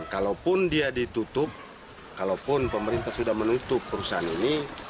kalaupun dia ditutup kalaupun pemerintah sudah menutup perusahaan ini